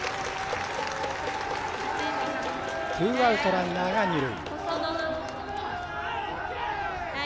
ツーアウト、ランナーが二塁。